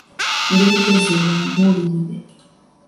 Ndi mugezi nga mubuulire.